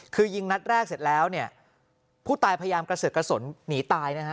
คือยิงนัดแรกเสร็จแล้วเนี่ยผู้ตายพยายามกระเสือกกระสนหนีตายนะฮะ